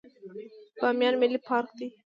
بامیان ملي پارک دی